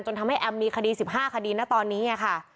จนทำให้แอมมีคดีสิบห้าคดีณตอนนี้น่ะค่ะ